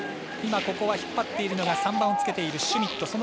ここは引っ張っているのが３番をつけているシュミット。